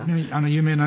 有名なね